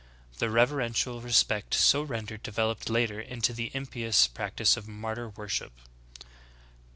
The reverential respect so rendered developed later into the impious practice of martyr worship.